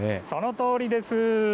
そのとおりです。